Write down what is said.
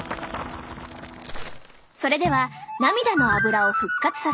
それでは涙のアブラを復活させる